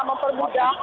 mempermudah orang tua